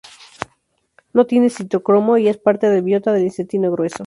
No tiene citocromo y es parte del biota del intestino grueso.